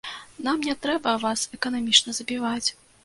Нам не трэба вас эканамічна забіваць.